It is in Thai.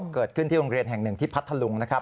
เกิดขึ้นที่โรงเรียนแห่งหนึ่งที่พัทธลุงนะครับ